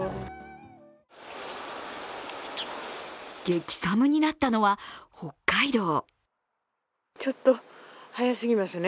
激寒になったのは北海道。